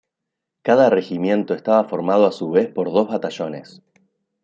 Cada regimiento estaba formado a su vez por dos batallones.